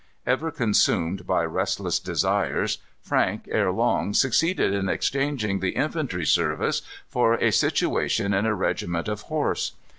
Ever consumed by restless desires, Frank, ere long, succeeded in exchanging the infantry service for a situation in a regiment of horse.